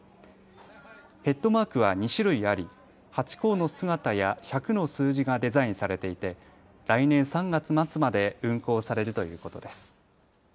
ヘッドマークは２種類ありハチ公の姿や１００の数字がデザインされていて来年３月末まで運行されるということです。